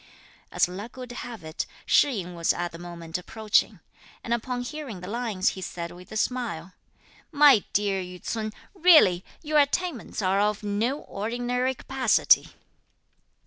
As luck would have it, Shih yin was at the moment approaching, and upon hearing the lines, he said with a smile: "My dear Yü ts'un, really your attainments are of no ordinary capacity."